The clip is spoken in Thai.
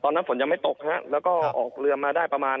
ตอนนั้นฝนยังไม่ตกฮะแล้วก็ออกเรือมาได้ประมาณ